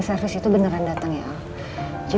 saya akan tonton sebentar ya